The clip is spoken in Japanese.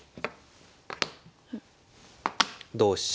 同飛車。